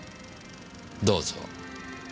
どうぞ。